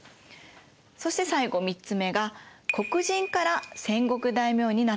そして最後３つ目が国人から戦国大名になったケースです。